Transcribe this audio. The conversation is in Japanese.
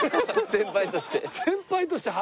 先輩として。